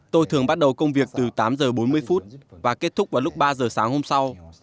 tôi thường bắt đầu công việc từ tám giờ bốn mươi phút và kết thúc vào lúc ba giờ sáng hôm sau